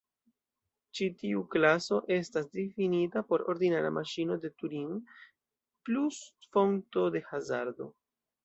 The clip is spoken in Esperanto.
Ĉi tiu klaso estas difinita por ordinara maŝino de Turing plus fonto de hazardo.